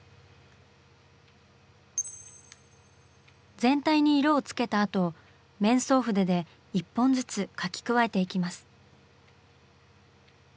全体に色をつけたあと面相筆で１本ずつ描き加えていきます。